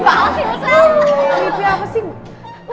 creepy apa sih